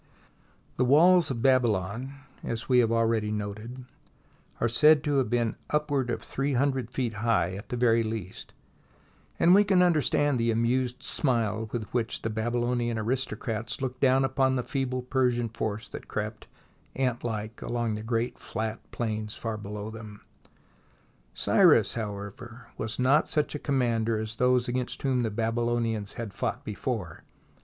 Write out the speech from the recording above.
The walls of Babylon, as we have already noted, are said to have been upward of three hundred feet high, at the very least, and we can understand the amused smile with which the Babylonian aris tocrats looked down upon the feeble Persian force that crept, ant like, along the great flat plains far below them. Cyrus, however, was not such a commander as those against whom the Baby THE SIEGE OF BABYLON lonians had fought before.